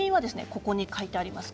ここに書いてあります